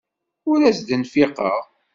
Ur d as-d-nfiqen.